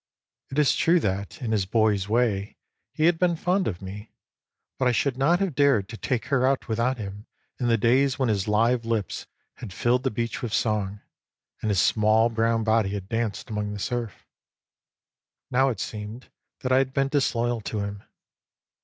It is true that, in his boy's way, he had been fond of me ; but I should not have dared to take her out without him in the days when his live lips had filled the beach with song, and his small brown body had danced among the surf. Now it seemed that I had been disloyal to him.